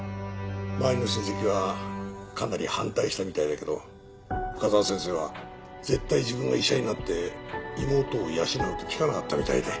周りの親戚はかなり反対したみたいだけど深澤先生は絶対自分が医者になって妹を養うと聞かなかったみたいで。